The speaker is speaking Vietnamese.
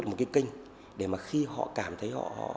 là một cái kênh để mà khi họ cảm thấy